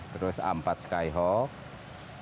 terus a empat skyhawk